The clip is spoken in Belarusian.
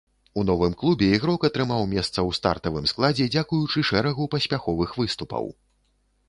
У новым клубе ігрок атрымаў месца ў стартавым складзе дзякуючы шэрагу паспяховых выступаў.